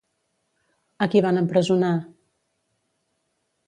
A qui van empresonar?